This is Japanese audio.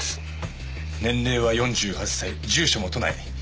年齢は４８歳住所も都内。